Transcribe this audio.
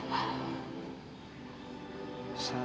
mama gak marah sama